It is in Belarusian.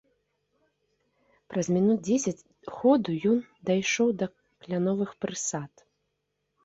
Праз мінут дзесяць ходу ён дайшоў да кляновых прысад.